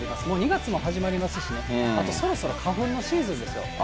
もう２月も始まりますしね、あとそろそろ花粉のシーズンですよ。